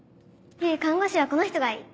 唯看護師はこの人がいい。